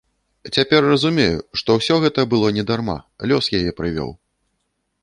Цяпер разумею, што ўсё гэта было не дарма, лёс яе прывёў.